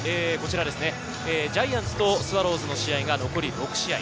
ジャイアンツとスワローズの試合が残り６試合。